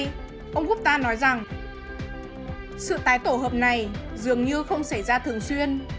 trong lúc này ông gupta nói rằng sự tái tổ hợp này dường như không xảy ra thường xuyên